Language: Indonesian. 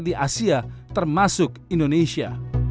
di asia termasuk indonesia